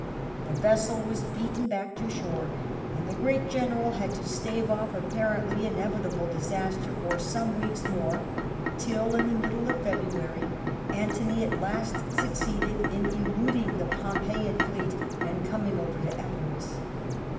'' The vessel was beaten back to shore, and the great general had to stave off apparently inevitable disaster for some weeks more, till, in the middle of February, Antony at last succeeded in eluding the Pompeian fleet, and came over to Epirus.